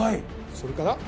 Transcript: それから。